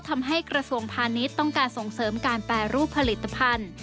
กระทรวงพาณิชย์ต้องการส่งเสริมการแปรรูปผลิตภัณฑ์